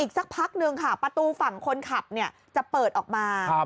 สักพักนึงค่ะประตูฝั่งคนขับจะเปิดออกมา